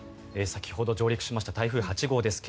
先ほど上陸しました台風８号ですが